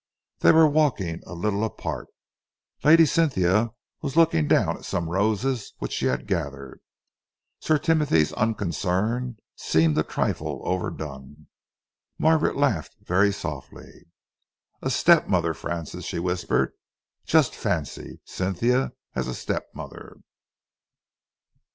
They were walking a little apart. Lady Cynthia was looking down at some roses which she had gathered. Sir Timothy's unconcern seemed a trifle overdone. Margaret laughed very softly. "A stepmother, Francis!" she whispered. "Just fancy Cynthia as a stepmother!"